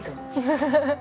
アハハハ。